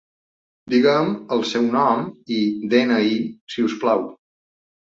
Diguem el seu nom i de-ena-i, si us plau.